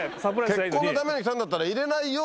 結婚のために来たんだったら入れないよ。